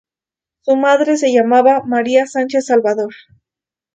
Su madre se llamaba María Sánchez Salvador.